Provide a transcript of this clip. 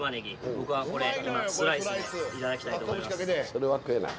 僕はこれスライスで頂きたいと思います。